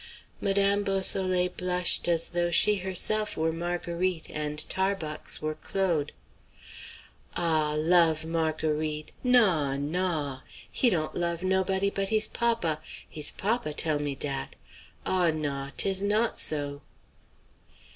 Madame Beausoleil blushed as though she herself were Marguerite and Tarbox were Claude. "Ah! love Marguerite! Naw, naw! He dawn't love noboddie but hees papa! Hees papa tell me dat! Ah! naw, 'tis not so!"